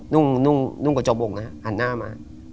นุ่มกว่าจบอกนะฮะหันหน้ามา